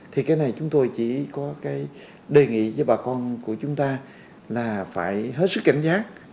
thì cái này chúng tôi chỉ có cái đề nghị với bà con của chúng ta là phải hết sức cảnh giác